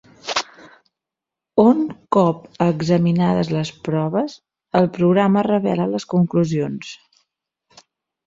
On cop examinades les proves, el programa revela les conclusions.